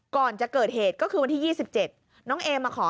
ก่อนจะเกิดเหตุก็คือวันที่๒๗น้องเอมาขอ